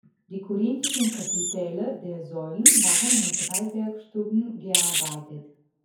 Die korinthischen Kapitelle der Säulen waren aus drei Werkstücken gearbeitet.